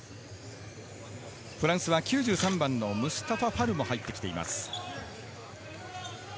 フランスは９３番のムスタファ・ファルも入ってきています。